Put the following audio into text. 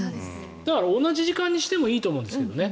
だから同じ時間にしてもいいと思うんですけどね